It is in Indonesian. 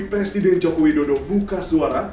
presiden jokowi dodo buka suara